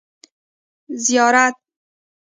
زيارت